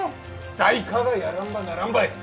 誰かがやらんばならんばい。